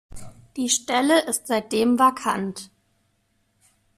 Die Stelle ist seitdem vakant.